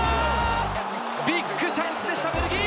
ビッグチャンスでしたベルギー。